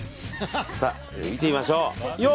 見てみましょう。